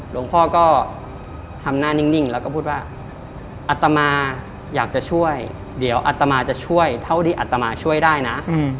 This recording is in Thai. หลวงพ่อก็ทำหน้านิ่งแล้วก็พูดว่าอัตมาอยากจะช่วยเดี๋ยวอัตมาจะช่วยเท่าที่อัตมาช่วยได้นะ